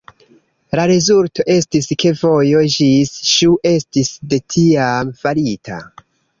La rezulto estis ke vojo ĝis Ŝu estis de tiam farita.